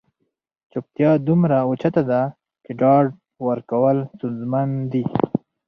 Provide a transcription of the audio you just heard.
چوپتیا دومره اوچته ده چې ډاډ ورکول ستونزمن دي.